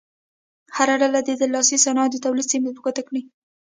هره ډله دې د لاسي صنایعو د تولید سیمې په ګوته کړي.